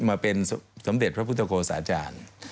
มาเป็นสมเด็จพระพุทธโกศาจารย์